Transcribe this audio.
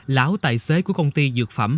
lão tài xế của công ty dược phẩm